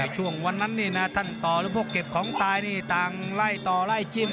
ช่วงวันนั้นท่านต่อด้วยปกเก็บของตายต่างไล่ต่อไล่จิ้ม